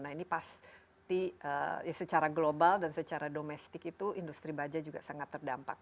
nah ini pasti secara global dan secara domestik itu industri baja juga sangat terdampak